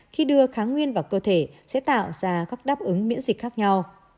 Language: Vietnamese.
khi đưa kháng nguyên vào cơ thể sẽ tạo ra các đáp ứng miễn dịch khác nhau